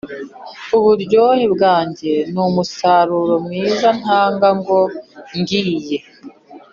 uburyohe bwanjye n umusaruro mwiza ntanga ngo ngiye